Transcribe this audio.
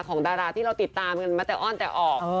ดาราที่เราติดตามกันมาแต่อ้อนแต่ออก